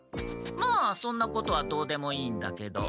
まあそんなことはどうでもいいんだけど。